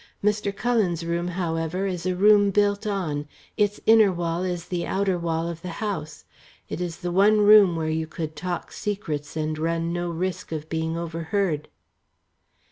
Mr. Cullen's room, however, is a room built on, its inner wall is the outer wall of the house, it is the one room where you could talk secrets and run no risk of being overheard."